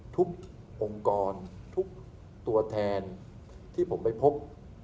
ทุกองค์กรทุกตัวแทนที่ผมไปพบ